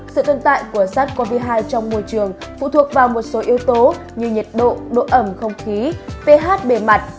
sự tồn tại của sars cov hai trong môi trường phụ thuộc vào một số yếu tố như nhiệt độ độ ẩm không khí phề mặt